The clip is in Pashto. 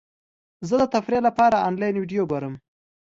زه د تفریح لپاره انلاین ویډیو ګورم.